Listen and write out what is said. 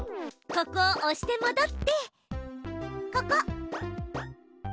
ここを押してもどってここ。